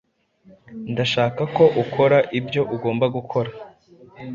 Ndashaka ko ukora ibyo ugomba gukora.